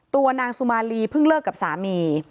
ตัวนางสุมาลีเพิ่งเลิกกับสามี